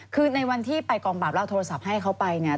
คือในวันที่ไปกองปราบแล้วโทรศัพท์ให้เขาไปเนี่ย